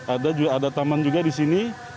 ada taman juga di sini